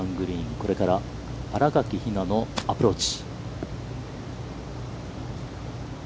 これから新垣比菜のアプローチ。